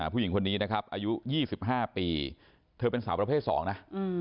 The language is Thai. ผู้หญิงคนนี้นะครับอายุ๒๕ปีเธอเป็นสาวประเภท๒นะ